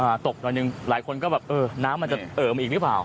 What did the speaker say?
ตกหน่อยหนึ่งหลายคนก็แบบเออน้ำมันจะเอ่อมาอีกหรือเปล่า